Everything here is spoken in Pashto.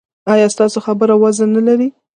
ایا ستاسو خبره وزن نلري؟